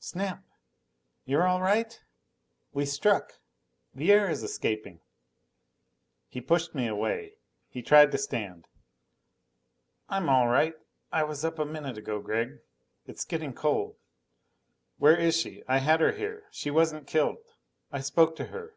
"Snap! You're all right? We struck the air is escaping." He pushed me away. He tried to stand. "I'm all right. I was up a minute ago. Gregg, it's getting cold. Where is she? I had her here she wasn't killed. I spoke to her."